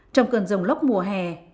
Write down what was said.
trong cơn rồng lốc mùa hè